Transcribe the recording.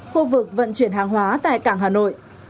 khu vực vận chuyển hàng hóa tại cảng hà nội